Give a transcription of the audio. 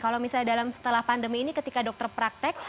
kalau misalnya dalam setelah pandemi ini ketika dokter praktek